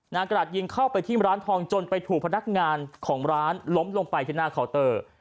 กระดาษยิงเข้าไปที่ร้านทองจนไปถูกพนักงานของร้านล้มลงไปที่หน้าเคาน์เตอร์